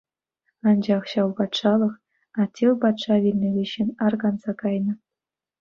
Анчах ҫав патшалӑх Аттил патша вилнӗ хыҫҫӑн арканса кайнӑ.